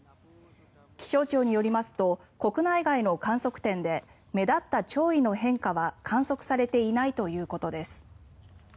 気象庁によりますと国内外の観測点で目立った潮位の変化は観測されていないということです。